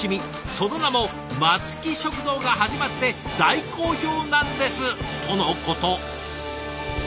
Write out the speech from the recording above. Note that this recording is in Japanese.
その名も『松木食堂』が始まって大好評なんです！」とのこと。